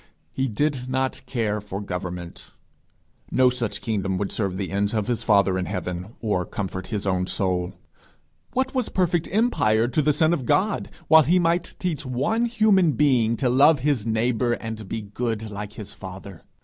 He did not care for government. No such kingdom would serve the ends of his father in heaven, or comfort his own soul. What was perfect empire to the Son of God, while he might teach one human being to love his neighbour, and be good like his father!